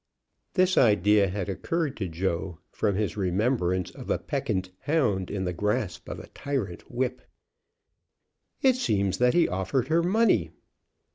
This idea had occurred to Joe from his remembrance of a peccant hound in the grasp of a tyrant whip. "It seems that he offered her money."